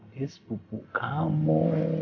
dia sepupu kamu